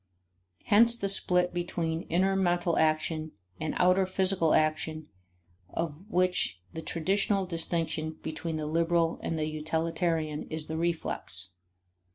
Hence the split between inner mental action and outer physical action of which the traditional distinction between the liberal and the utilitarian is the reflex.